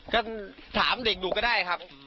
ก็ถามเด็กดูก็ได้ครับ